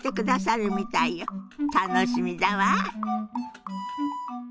楽しみだわ。